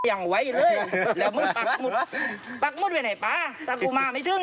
เพราะไม่รู้ว่าเติ้ลทำอะไรเหมือนกัน